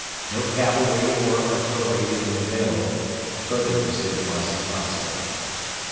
No cavalry or artillery being available, further pursuit was impossible.